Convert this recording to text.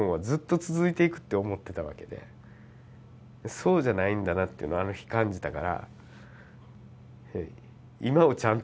そうじゃないんだなっていうのはあの日感じたから。